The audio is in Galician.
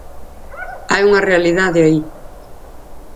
Hai unha realidade aí.